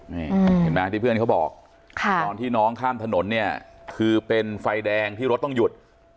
นี่เห็นไหมที่เพื่อนเขาบอกตอนที่น้องข้ามถนนเนี่ยคือเป็นไฟแดงที่รถต้องหยุด